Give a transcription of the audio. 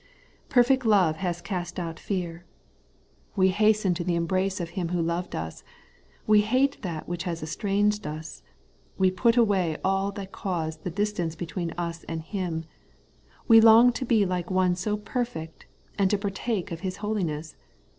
'Perfect love has cast out fear.* The Holy Life of the Justified, 187 We hasten to the embrace of Him who loved us ; we hate that which has estranged us ; we put away all that caused the distance between us and Him ; we long to be like one so perfect, and to partake of His holiness.